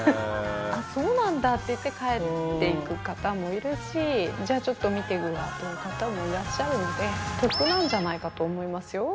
「あっそうなんだ」って言って帰って行く方もいるし「ちょっと見て行くわ」という方もいらっしゃるので得なんじゃないかと思いますよ。